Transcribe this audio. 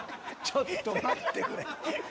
ちょっと待ってくれ。